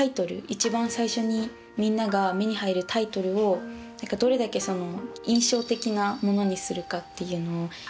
一番最初にみんなが目に入るタイトルをどれだけ印象的なものにするかっていうのを一番意識してます。